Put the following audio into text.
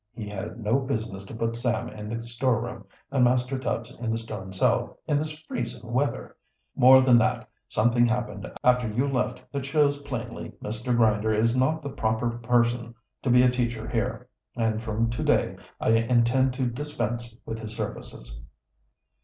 He had no business to put Sam in the storeroom and Master Tubbs in the stone cell in this freezing weather. More than that, something happened after you left that shows plainly Mr. Grinder is not the proper person to be a teacher here, and from to day I intend to dispense with his services."